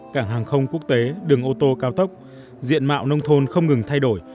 cảng hàng không quốc tế đường ô tô cao tốc diện mạo nông thôn không ngừng thay đổi